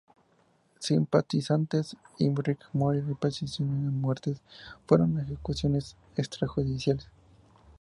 Simpatizantes e Irmgard Möller persisten que las muertes fueron ejecuciones extrajudiciales.